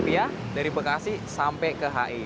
coba kalo naik kendaraan pribadi